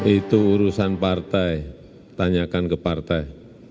itu urusan partai tanyakan ke partai